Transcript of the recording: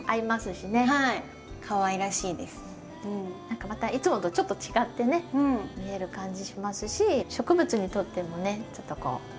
何かまたいつもとちょっと違ってね見える感じしますし植物にとってもねちょっとこう風通しがよくなるというか。